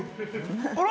あら。